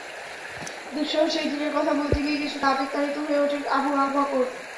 দুঃসহ সেই দিনের কথা বলতে গিয়ে কিছুটা আবেগতাড়িত হয়ে ওঠেন আবু বকর।